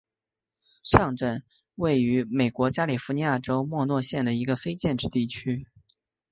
上镇是位于美国加利福尼亚州莫诺县的一个非建制地区。